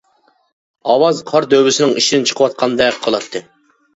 ئاۋاز قار دۆۋىسىنىڭ ئىچىدىن چىقىۋاتقاندەك قىلاتتى.